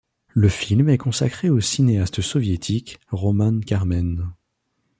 Le film est consacré au cinéaste soviétique Roman Karmen.